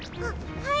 はい？